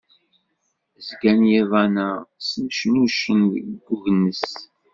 Zgan yiḍan-a snecnucen deg agnes.